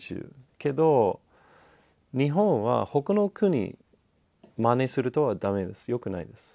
けど、日本はほかの国まねするとだめ、よくないです。